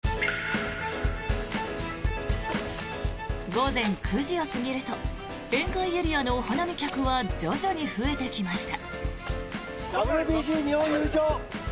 午前９時を過ぎると宴会エリアのお花見客は徐々に増えてきました。